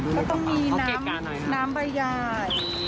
ก็ต้องมีน้ำใบใหญ่